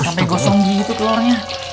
sampai gosong gitu telurnya